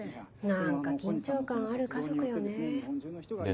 何か緊張感ある家族よね。ですね。